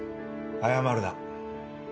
謝るな。